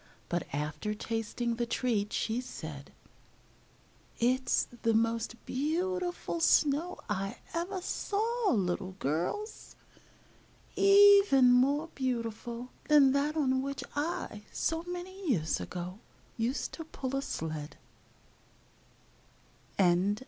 But after tasting the treat, she said: "It's the most beautiful snow I ever saw, little girls, even more beautiful than that on which I, so many years ago, used to pull a sled."